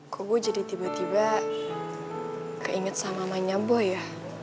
kok gue jadi tiba tiba keinget sama nyaboh ya